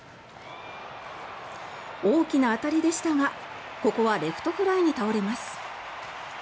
大きな当たりでしたがここはレフトフライに倒れます。